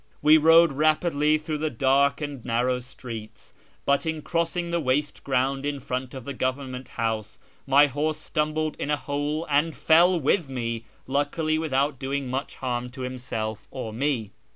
We rode rapidly through the dark and narrow streets, but in crossing the waste ground in front of the Government house my horse stumbled in a hole and fell with me, luckily without doing much harm to himself or me.